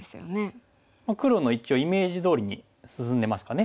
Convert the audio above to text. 黒の一応イメージどおりに進んでますかね。